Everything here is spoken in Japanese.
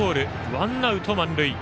ワンアウト、満塁。